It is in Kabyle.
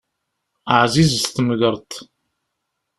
Ɛzizet temgeṛṭ.